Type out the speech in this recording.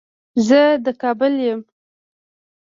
زه د کابل يم